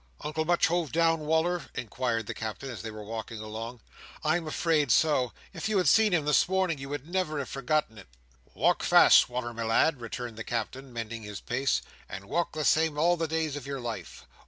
"Uncle much hove down, Wal"r?" inquired the Captain, as they were walking along. "I am afraid so. If you had seen him this morning, you would never have forgotten it." "Walk fast, Wal"r, my lad," returned the Captain, mending his pace; "and walk the same all the days of your life.